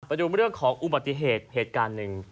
ไปดูเรื่องของอุบัติเหตุเหตุการณ์หนึ่ง